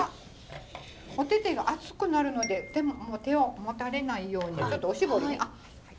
お手々が熱くなるので手を持たれないようにちょっとおしぼりで。